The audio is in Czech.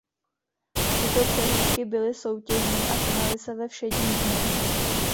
Tyto přehlídky byly soutěžní a konaly se ve všední dny.